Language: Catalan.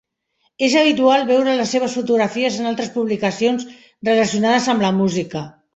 És habitual veure les seves fotografies en altres publicacions relacionades amb la música.